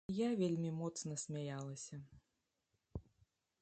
Я вельмі моцна смяялася.